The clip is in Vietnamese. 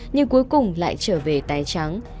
nhưng cuối cùng lại trở về tái trắng